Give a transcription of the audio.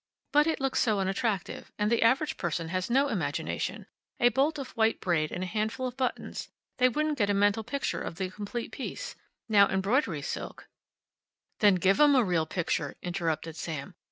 "But it looks so unattractive. And the average person has no imagination. A bolt of white braid and a handful of buttons they wouldn't get a mental picture of the completed piece. Now, embroidery silk " "Then give 'em a real picture!" interrupted Sam.